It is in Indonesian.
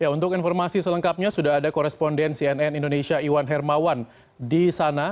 untuk informasi selengkapnya sudah ada koresponden cnn indonesia iwan hermawan di sana